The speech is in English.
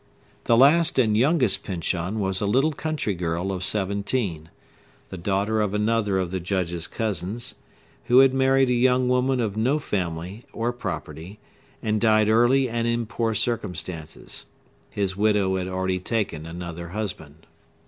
The last and youngest Pyncheon was a little country girl of seventeen, the daughter of another of the Judge's cousins, who had married a young woman of no family or property, and died early and in poor circumstances. His widow had recently taken another husband.